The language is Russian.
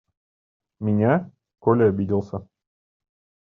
– Меня? – Коля обиделся.